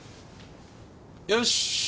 よし！